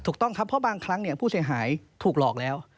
ถูกต้องครับเพราะบางครั้งผู้เสียหายถูกหลอกแล้ว